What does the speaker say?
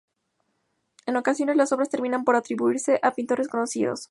En ocasiones, las obras terminan por atribuirse a pintores conocidos.